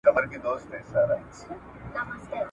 بس یا مو سېل یا مو توپان ولیدی `